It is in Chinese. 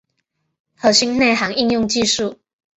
核心内涵应用技术